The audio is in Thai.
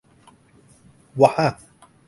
ว่ะฮ่ะ